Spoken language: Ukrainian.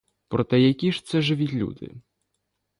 Проте які ж це живі люди?